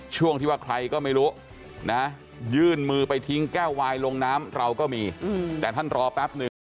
ช่วงที่ว่าใครก็ไม่รู้นะยื่นมือไปทิ้งแก้ววายลงน้ำเราก็มีแต่ท่านรอแป๊บนึง